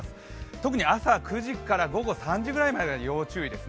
特に朝９時から午後３時くらいまでが要注意です。